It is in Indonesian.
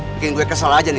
mungkin gue kesal aja nih